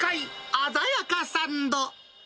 鮮やかサンド。